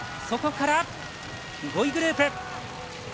そこから５位グループ。